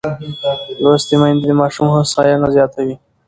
لوستې میندې د ماشوم هوساینه زیاتوي.